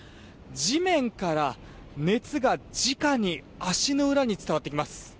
地面から熱が直に足の裏に伝わってきます。